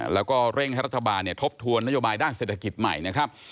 แล้วก็เร่งให้รัฐบาลทบทวนนโยบายด้านเศรษฐกิจใหม่นะครับ